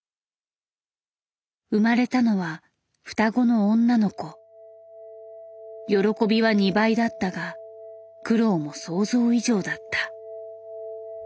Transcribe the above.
生まれたのは喜びは２倍だったが苦労も想像以上だった。